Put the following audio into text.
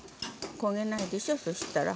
焦げないでしょそしたら。